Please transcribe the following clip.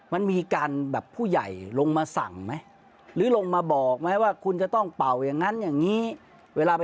มันมีการผู้ใหญ่หลงมาสั่งไหม